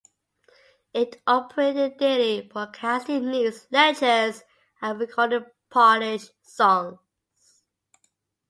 It operated daily, broadcasting news, lectures, and recorded Polish songs.